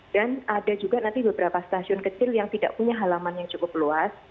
dan ada juga nanti beberapa stasiun kecil yang tidak punya halaman yang cukup luas